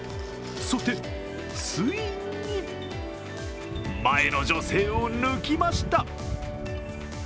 そして、ついに前の女性を抜きました。